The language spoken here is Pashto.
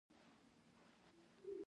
نفوس یې څه د باندې پنځوس میلیونه ښودل شوی.